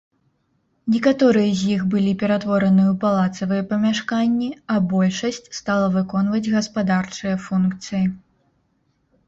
Некаторыя з іх былі ператвораныя ў палацавыя памяшканні, а большасць стала выконваць гаспадарчыя функцыі.